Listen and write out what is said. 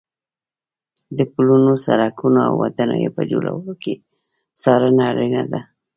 د پلونو، سړکونو او ودانیو په جوړولو کې څارنه اړینه ده.